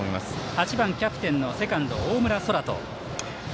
８番キャプテンのセカンド大村昊澄。